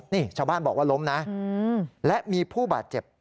นี่ชาวบ้านบอกว่าล้มนะและมีผู้บาดเจ็บ